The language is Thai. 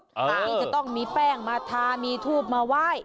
อันนี้จะต้องมีแป้งมาทามีทูบมาไหว้